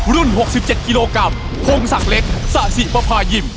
รุ่นหกสิบเจ็ดกิโลกรัมโพงสักเล็กสะสีปะพายิ่ม